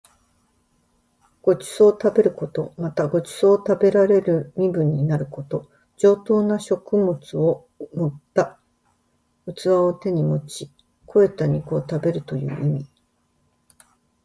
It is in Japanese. ご馳走を食べること。また、ご馳走を食べられる身分になること。上等な食物を盛った器を手に持ち肥えた肉を食べるという意味。